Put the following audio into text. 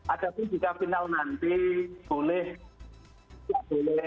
adapun jika final nanti boleh tidak boleh